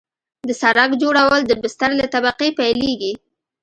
د سرک جوړول د بستر له طبقې پیلیږي